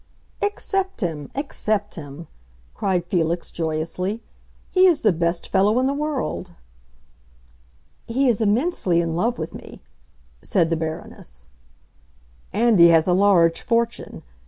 "Accept him, accept him!" cried Felix, joyously. "He is the best fellow in the world." "He is immensely in love with me," said the Baroness. "And he has a large fortune.